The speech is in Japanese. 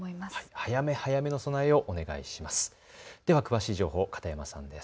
早め早めの備えをお願いします。